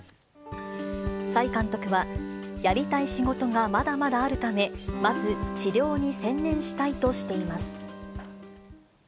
崔監督は、やりたい仕事がまだまだあるため、まず治療に専念したいとしています。